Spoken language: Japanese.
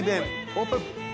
オープン。